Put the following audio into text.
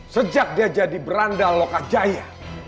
sejak dia jadi beranda loka jaya